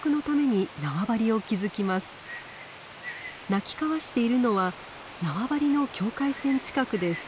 鳴き交わしているのは縄張りの境界線近くです。